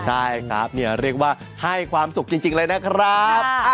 ใช่ครับเรียกว่าให้ความสุขจริงเลยนะครับ